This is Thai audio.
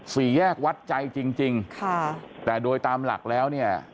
สี่แยกวัดใจจริงจริงค่ะแต่โดยตามหลักแล้วเนี่ย